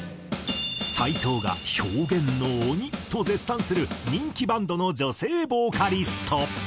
斎藤が「表現の鬼」と絶賛する人気バンドの女性ボーカリスト。